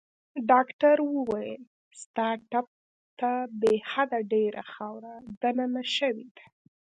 ډاکټر وویل: ستا ټپ ته بې حده ډېره خاوره دننه شوې ده.